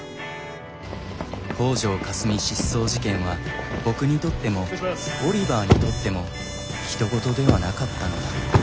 「北條かすみ失踪事件」は僕にとってもオリバーにとってもひと事ではなかったのだ。